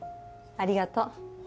ありがとう。